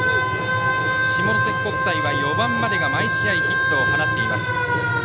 下関国際は４番までが毎試合ヒットを放っています。